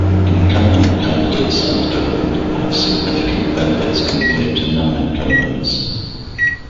Incumbent candidates and government have significant benefits compared to non-incumbents.